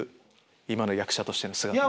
今の役者としての姿。